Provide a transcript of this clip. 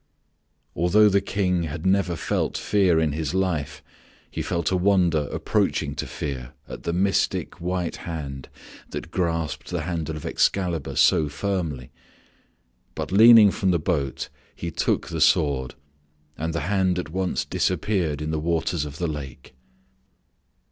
Although the King had never felt fear in his life, he felt a wonder approaching to fear at the mystic, white hand that grasped the handle of Excalibur so firmly; but leaning from the boat he took the sword, and the hand at once disappeared in the waters of the lake.